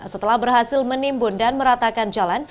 setelah berhasil menimbun dan meratakan jalan